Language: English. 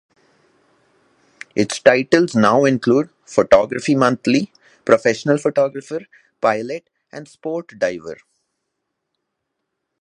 Its titles now include "Photography Monthly", "Professional Photographer", "Pilot" and "Sport Diver".